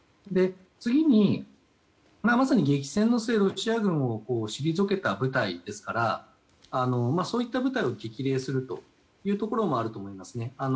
次にまさに激戦の末ロシア軍を退けた部隊ですからそういった部隊を激励するというところもあると思いますね。